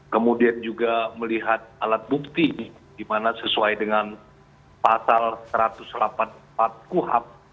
kemudian juga melihat alat bukti di mana sesuai dengan pasal satu ratus delapan puluh empat kuhap